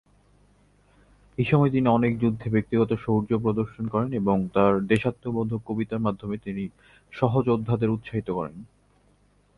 এইসময় তিনি অনেক যুদ্ধে ব্যক্তিগত শৌর্য প্রদর্শন করেন এবং তার দেশাত্মবোধক কবিতার মাধ্যমে তার সহযোদ্ধাদের উৎসাহিত করেন।